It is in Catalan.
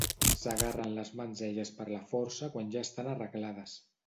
S’agarren les mans elles per fer força quan ja estan arreglades.